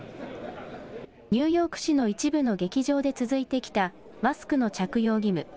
ニューヨーク市の一部の劇場で続いてきたマスクの着用義務。